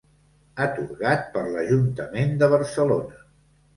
Atorgat per l'Ajuntament de Barcelona.